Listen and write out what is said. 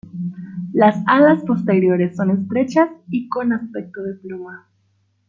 Las alas posteriores son estrechas y con aspecto de pluma.